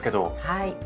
はい。